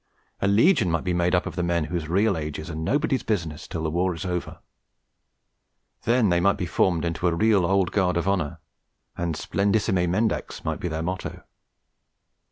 A legion might be made up of the men whose real ages are nobody's business till the war is over; then they might be formed into a real Old Guard of Honour, and splendidissime mendax might be their motto.